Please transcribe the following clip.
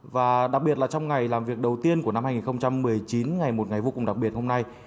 và đặc biệt là trong ngày làm việc đầu tiên của năm hai nghìn một mươi chín ngày một ngày vô cùng đặc biệt hôm nay